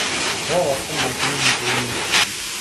Тоа освен мајка ми никого не исплаши.